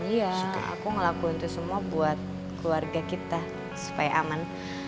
iya aku ngelakuin itu semua buat keluarga kita supaya aman